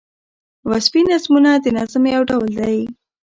وصفي نظمونه د نظم یو ډول دﺉ.